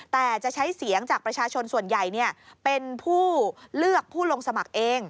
แต่จะใช้เสียงจากประชาชนส่วนใหญ่เป็นผู้เลือกผู้ลงสมัครเอง